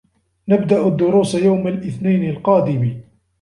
نبدأ الدروس يوم الإثنين القادم.